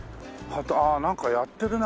ああなんかやってるね